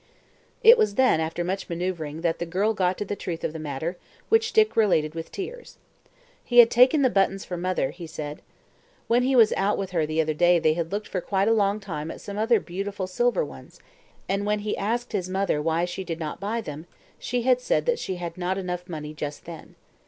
It was then, after much manoeuvring, that the girl got to the truth of the matter, which Dick related with tears. He had taken the buttons for mother, he said. When he was out with her the other day they had looked for quite a long time at some beautiful silver ones, and when he asked his mother why she did not buy them, she had said she had not enough money just then.